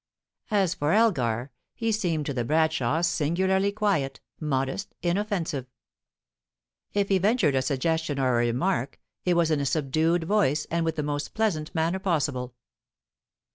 As for Elgar, he seemed to the Bradshaws singularly quiet, modest, inoffensive. If he ventured a suggestion or a remark, it was in a subdued voice and with the most pleasant manner possible.